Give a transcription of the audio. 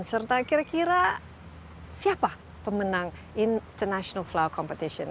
serta kira kira siapa pemenang international flow competition